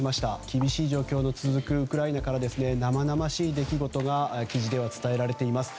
厳しい状況の続くウクライナから生々しい出来事が記事では伝えられています。